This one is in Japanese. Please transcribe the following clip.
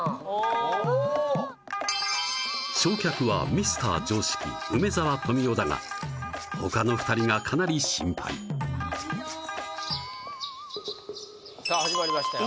おおー正客はミスター常識梅沢富美男だがほかの２人がかなり心配さあ始まりましたよ